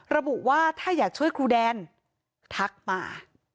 ระบุว่าถ้าอยากช่วยครูแดนทักมา